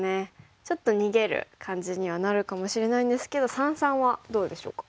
ちょっと逃げる感じにはなるかもしれないんですけど三々はどうでしょうか？